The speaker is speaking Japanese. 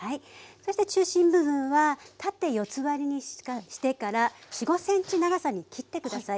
そして中心部分は縦四つ割りにしてから４５ｃｍ長さに切って下さい。